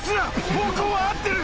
方向は合ってる！